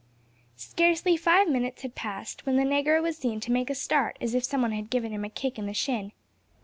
Scarcely five minutes had passed, when the negro was seen to make a start as if some one had given him a kick in the shin.